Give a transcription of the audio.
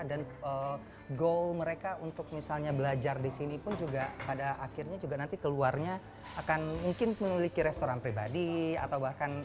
dan goal mereka untuk misalnya belajar disini pun pada akhirnya juga nanti keluarnya akan mungkin memiliki restoran pribadi atau bahkan